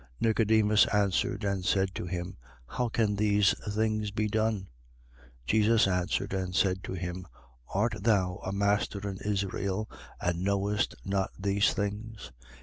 3:9. Nicodemus answered and said to him: How can these things be done? 3:10. Jesus answered and said to him: Art thou a master in Israel, and knowest not these things?